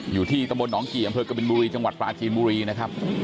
อยู่ที่ตำบลหนองกี่อำเภอกบินบุรีจังหวัดปลาจีนบุรีนะครับ